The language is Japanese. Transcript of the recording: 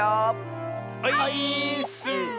オイーッス！